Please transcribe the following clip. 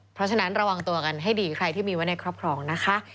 เพราะฉะนั้นระวังตัวกันให้ดีใครที่มีไว้ในครอบครองนะคะ